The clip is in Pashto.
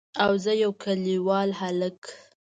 او زه يو کليوال هلک.